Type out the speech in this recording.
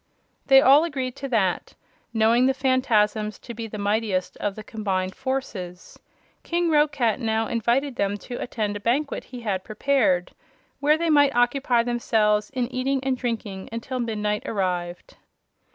They all agreed to that, knowing the Phanfasms to be the mightiest of the combined forces. King Roquat now invited them to attend a banquet he had prepared, where they might occupy themselves in eating and drinking until midnight arrived.